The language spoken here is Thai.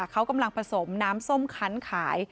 เขากำลังผสมน้ำส้มคันขาย